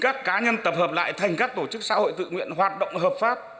các cá nhân tập hợp lại thành các tổ chức xã hội tự nguyện hoạt động hợp pháp